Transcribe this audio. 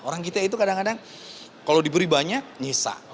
orang kita itu kadang kadang kalau diberi banyak nyisa